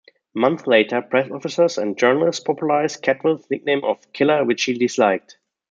Months later, press officers and journalists popularised Caldwell's nickname of "Killer", which he disliked.